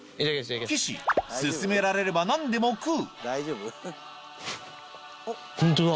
岸勧められれば何でも食う「本当だ」？